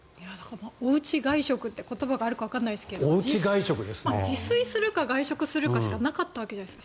おうち外食って言葉があるかわからないですが自炊するか外食するかしかなかったわけじゃないですか。